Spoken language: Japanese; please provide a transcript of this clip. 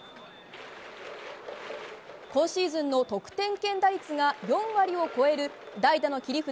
今シーズンの得点圏打率が４割を超える代打の切り札